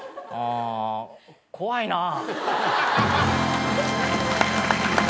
怖いなぁ。